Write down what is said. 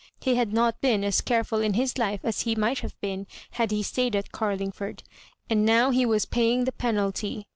He had not b^n as careful in his life as he might have been had he stayed at Carlingford ; and now he was paying the penalty.